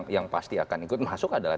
yang pasti akan ikut masuk adalah